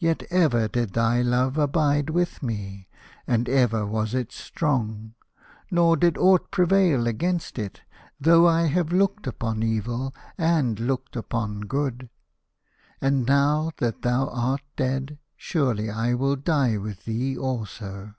Yet ever did thy love abide A House of Pomegranates. with me, and ever was it strong, nor did aught prevail against it, though I have looked upon evil and looked upon good. And now that thou art dead, surely I will die with thee also."